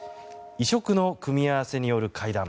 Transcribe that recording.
異色の組み合わせによる会談。